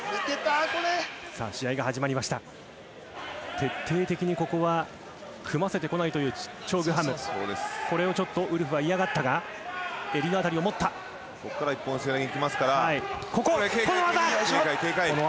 徹底的にここは組ませてこないというチョ・グハムこれをちょっとウルフは嫌がったが襟のあたりを持ったここから１本背負いにきますからこここの技！